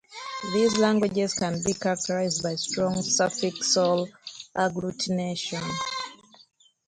These languages can be characterized by strong suffixal agglutination.